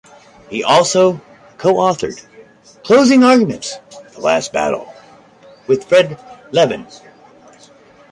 He also co-authored "Closing Arguments-The Last Battle" with Fred Levin.